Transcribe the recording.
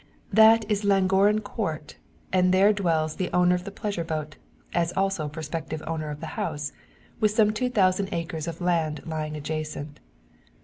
That is Llangorren Court, and there dwells the owner of the pleasure boat, as also prospective owner of the house, with some two thousand acres of land lying adjacent.